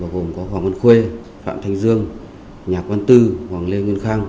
gồm có hoàng văn khê phạm thành dương nhạc văn tư hoàng lê nguyên khang